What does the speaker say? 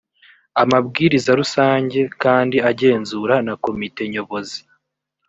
amabwiriza rusange kandi agenzura na komite nyobozi.